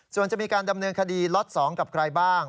ส่วนจะมีการดำเนินคดีล็อต๒กับใครบ้าง